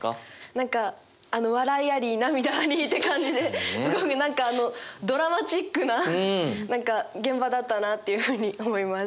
何か笑いあり涙ありって感じですごく何かあのドラマチックな現場だったなっていうふうに思います。